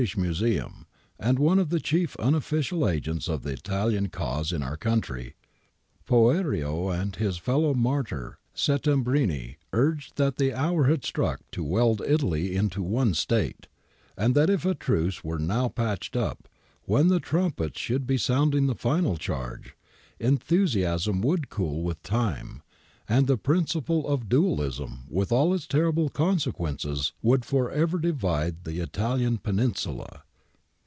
Writing to Panizzi, the Librarian of the British Museum, and one of the chief unofficial agents of the Italian cause in our country, Poerio and his fellow martyr Settembrini urged that the hour had struck to weld Italy into one State, and that if a truce were now patched up, when the trumpets should be sounding the final charge, ' enthus iasm would cool v 'ith time ' and the principle of ' dualism with all its terrible consequences ' would for ever divide the Italian Peninsula.